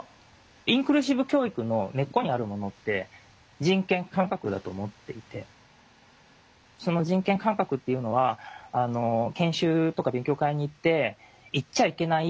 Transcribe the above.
インクルーシブ教育の根っこにあるものって人権感覚だと思っていてその人権感覚っていうのは研修とか勉強会に行って言っちゃいけない